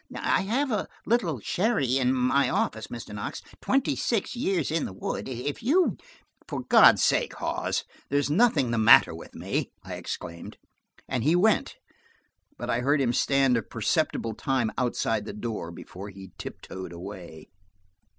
"I have a little sherry in my office, Mr. Knox–twenty six years in the wood. If you–" "For God's sake, Hawes, there's nothing the matter with me!" I exclaimed, and he went. But I heard him stand a perceptible time outside the door before he tiptoed away.